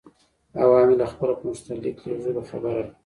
حوا مې له خپل غوښتنلیک لېږلو خبره کړه.